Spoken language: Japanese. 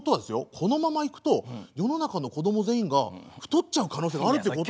このままいくと世の中の子供全員が太っちゃう可能性があるってこと。